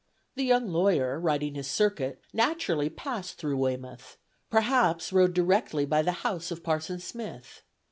The young lawyer, riding his circuit, naturally passed through Weymouth, perhaps rode directly by the house of Parson Smith.